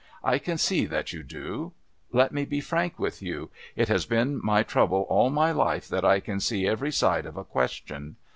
"I can see that you do. Let me be frank with you. It has been my trouble all my life that I can see every side of a question.